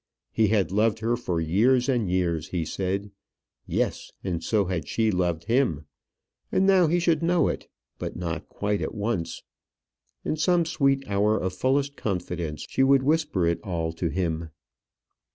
He had loved her for years and years, he said. Yes, and so had she loved him; and now he should know it. But not quite at once in some sweet hour of fullest confidence she would whisper it all to him.